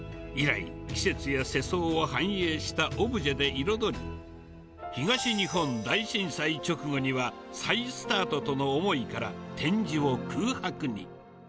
以来、季節や世相を反映したオブジェで彩り、東日本大震災直後には、再スタートとの思いから、展示を空白に。